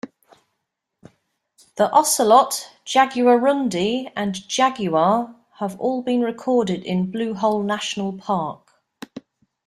The ocelot, jaguarundi, and jaguar have all been recorded in Blue Hole National Park.